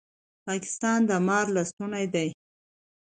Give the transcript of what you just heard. پاکستان د مار لستوڼی دی